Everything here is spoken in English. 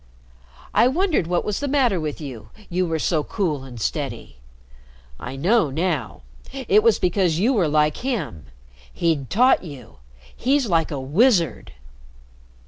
I wondered what was the matter with you, you were so cool and steady. I know now. It was because you were like him. He'd taught you. He's like a wizard."